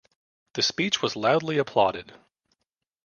The speech was loudly applauded.